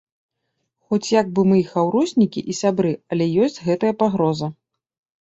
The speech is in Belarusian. Хоць як бы мы і хаўруснікі, і сябры, але ёсць гэтая пагроза.